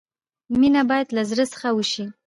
مینه باید لۀ زړۀ څخه وشي.